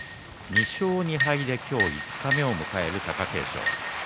２勝２敗で今日五日目を迎える貴景勝。